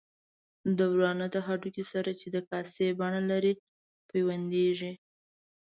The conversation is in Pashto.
د ورانه د هډوکي سره چې د کاسې بڼه لري پیوندېږي.